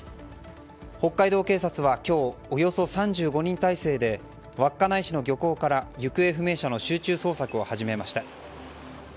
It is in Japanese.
北海道警察は今日およそ３５人態勢で稚内市の漁港から行方不明者の集中捜索を始めました。